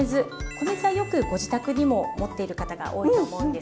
米酢はよくご自宅にも持っている方が多いと思うんですが。